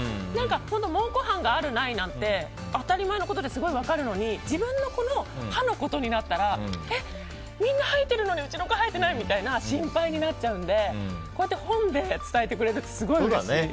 本当、モウコハンがあるないなんて当たり前のことですごい分かるのに自分の子の歯のことになったらみんな生えてるのにうちの子生えていないと心配になっちゃうのでこうやって本で伝えてくれるのはすごいうれしい。